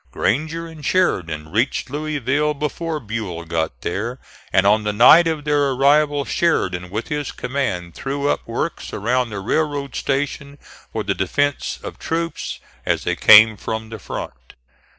Granger and Sheridan reached Louisville before Buell got there, and on the night of their arrival Sheridan with his command threw up works around the railroad station for the defence of troops as they came from the front.